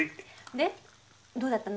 でどうだったの？